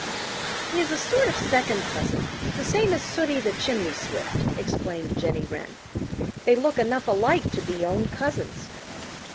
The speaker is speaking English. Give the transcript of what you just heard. "He is a sort of second cousin, the same as Sooty the Chimney Swift," explained Jenny Wren. "They look enough alike to be own cousins.